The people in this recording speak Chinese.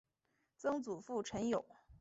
曾祖父陈友。